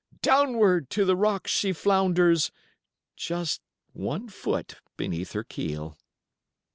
Downward to the rocks she flounders Just one foot beneath her keel!